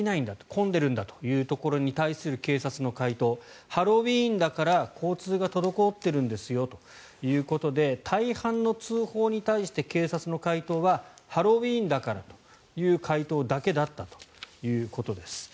混んでるんだというところに対する警察の回答ハロウィーンだから、交通が滞っているんですよということで大半の通報に対して警察の回答はハロウィーンだからという回答だけだったということです。